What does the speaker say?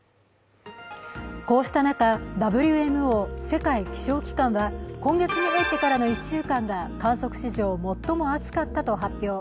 こうした中、ＷＭＯ＝世界気象機関は今月に入ってからの１週間が観測史上最も暑かったと発表。